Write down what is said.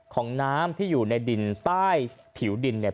ของน้ำที่อยู่ในดินใต้ผิวดินเนี่ย